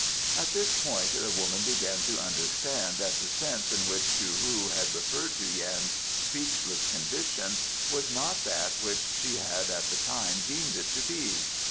At this point the woman began to understand that the sense in which Chou hu had referred to Yan's speechless condition was not that which she had at the time deemed it to be.